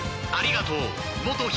［ありがとう。